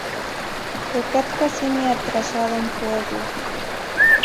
Ocatca simi atrasado n pueblo.